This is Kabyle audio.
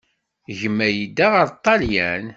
Gma yedda ɣer Ṭṭalyan.